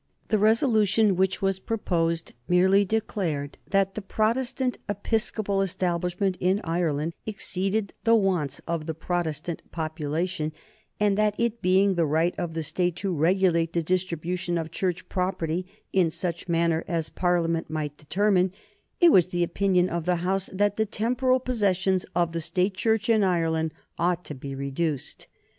The resolution which was proposed merely declared that the Protestant Episcopal Establishment in Ireland exceeded the wants of the Protestant population, and that, it being the right of the State to regulate the distribution of Church property in such manner as Parliament might determine, it was the opinion of the House that the temporal possessions of the State Church in Ireland ought to be reduced.